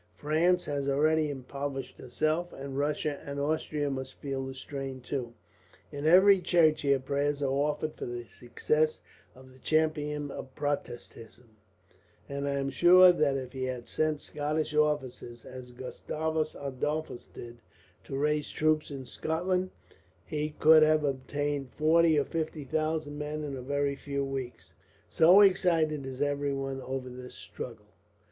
France has already impoverished herself, and Russia and Austria must feel the strain, too. In every church here prayers are offered for the success of the champion of Protestantism; and I am sure that if he had sent Scottish officers, as Gustavus Adolphus did, to raise troops in Scotland, he could have obtained forty or fifty thousand men in a very few weeks, so excited is everyone over the struggle.